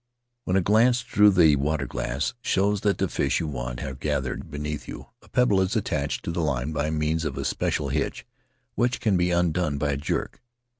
When a glance through the water glass shows that the fish you want are gathered beneath you, a pebble is attached to the line by means of a special hitch, which can be undone by a jerk.